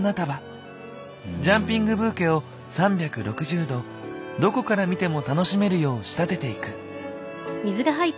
ジャンピングブーケを３６０度どこから見ても楽しめるよう仕立てていく。